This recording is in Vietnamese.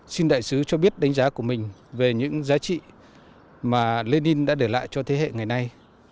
xin đại sứ cho biết đánh giá của mình về những giá trị mà lenin đã để lại cho thế hệ ngày nay